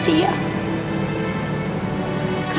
sebaik aku p trial